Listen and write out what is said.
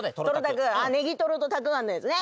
ネギトロとたくあんのやつね。